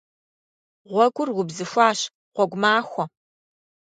Гъуэгур убзыхуащ. Гъуэгу махуэ!